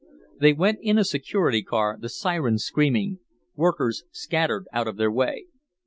They went in a Security Car, the siren screaming. Workers scattered out of their way.